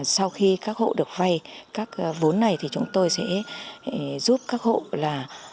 sau khi các hộ được vay các vốn này thì chúng tôi sẽ giúp các hộ là